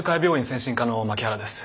精神科の牧原です。